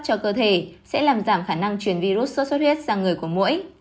cho cơ thể sẽ làm giảm khả năng truyền virus sốt xuất huyết sang người của mũi